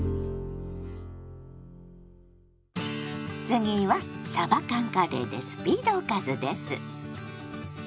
次はさば缶カレーでスピードおかずです。